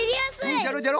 じゃろじゃろ？